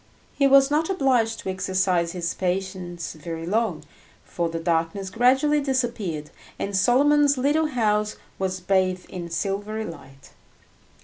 He was not obliged to exercise his patience very long, for the darkness gradually disappeared, and Solomon's little house was bathed in silvery light.